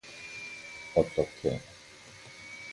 어떡해?